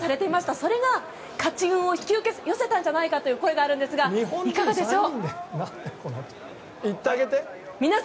それが勝ち運を引き寄せたんじゃないかという声があるんですがいかがでしょう。